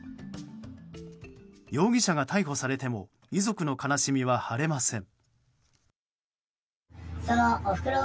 容疑者が逮捕されても遺族の悲しみは晴れません。